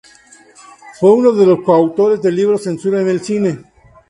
Fue uno de los coautores del libro "Censura en el cine".